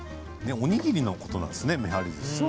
おにぎりのことなんですね。